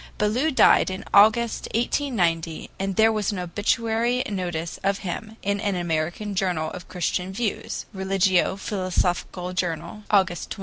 Ballou died in August, 1890, and there was as obituary notice of him in an American journal of Christian views (RELIGIO PHILOSOPHICAL JOURNAL, August 23).